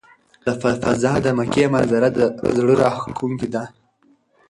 له فضا د مکې منظره د زړه راښکونکې ده.